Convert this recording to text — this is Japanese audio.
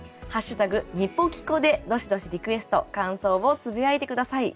「＃にぽきこ」でどしどしリクエスト感想をつぶやいて下さい。